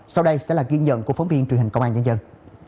sau đây sẽ là ghi nhận của phóng viên truyền hình công an nhân dân